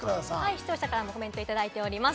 視聴者の方からコメントをいただいております。